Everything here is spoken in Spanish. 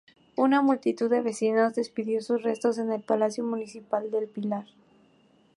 Una multitud de vecinos despidió sus restos en el Palacio Municipal del Pilar.